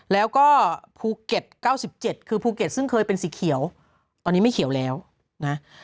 แล้วก็ภูเก็ต๙๗คือภูเก็ตซึ่งเคยเป็นสีเขียวตอนนี้ไม่เขียวแล้วนะ